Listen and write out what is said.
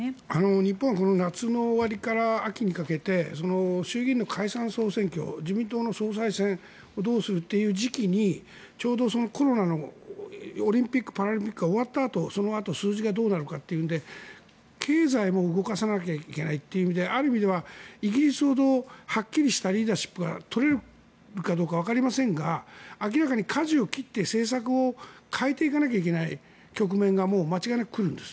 日本は夏の終わりから秋にかけて衆議院の解散・総選挙自民党の総裁選をどうするという時期にちょうどコロナのオリンピック・パラリンピックが終わったあと、そのあと数字がどうなるかというので経済も動かさなきゃいけないという意味である意味ではイギリスほどはっきりしたリーダーシップが取れるかどうかわかりませんが明らかにかじを切って政策を変えていかないといけない局面がもう間違いなく来るんです。